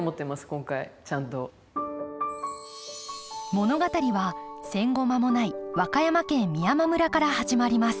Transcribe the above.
物語は戦後間もない和歌山県美山村から始まります。